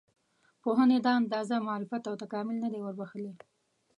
پوهنې دا اندازه معرفت او تکامل نه دی وربښلی.